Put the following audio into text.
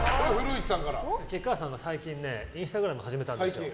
菊川さんが最近インスタグラム始めたんですよ。